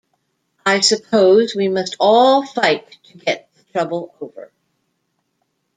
I suppose we must all fight to get the trouble over.